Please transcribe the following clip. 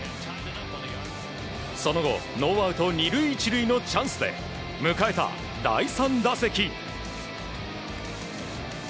その後、ノーアウト２塁１塁のチャンスで迎えた第３打席。